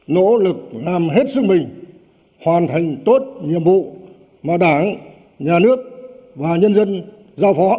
nỗ lực làm hết sức mình hoàn thành tốt nhiệm vụ mà đảng nhà nước và nhân dân giao phó xin cảm ơn